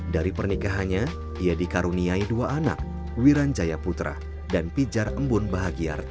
dari pernikahannya ia dikaruniai dua anak wiranjaya putra dan pijar embun bahagiarti